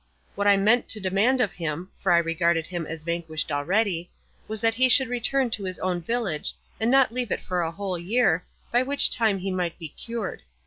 What I meant to demand of him (for I regarded him as vanquished already) was that he should return to his own village, and not leave it for a whole year, by which time he might be cured.